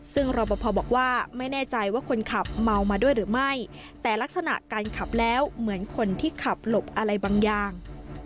ซึ่งรอปภบอกว่าไม่แน่ใจว่าคนขับเมามาด้วยหรือไม่แต่ลักษณะการขับแล้วเหมือนคนที่ขับหลบอะไรบางอย่าง